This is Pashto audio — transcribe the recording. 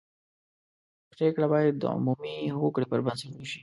پرېکړه باید د عمومي هوکړې پر بنسټ وشي.